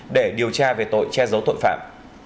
để điều tra về tội che giấu tội phạm